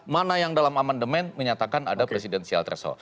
mana yang dalam aman demen menyatakan ada presidensial threshold